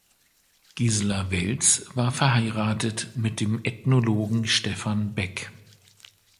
Gisela Welz war verheiratet mit dem Ethnologen Stefan Beck.